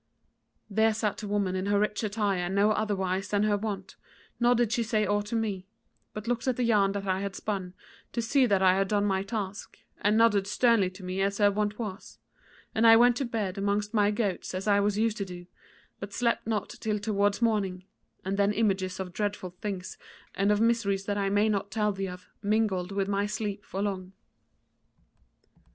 "There sat the woman in her rich attire no otherwise than her wont, nor did she say aught to me; but looked at the yarn that I had spun, to see that I had done my task, and nodded sternly to me as her wont was, and I went to bed amongst my goats as I was used to do, but slept not till towards morning, and then images of dreadful things, and of miseries that I may not tell thee of, mingled with my sleep for long.